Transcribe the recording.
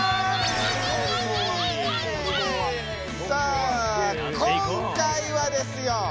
さあ今回はですよ